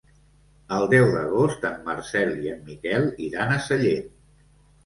El deu d'agost en Marcel i en Miquel iran a Sallent.